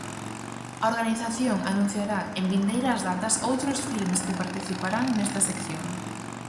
A organización anunciará en vindeiras datas outros filmes que participarán nesta sección.